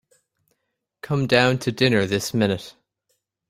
Come down to dinner this minute.